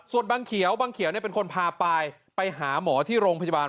ส่วนบังเขียวบังเขียวเป็นคนพาปายไปหาหมอที่โรงพยาบาล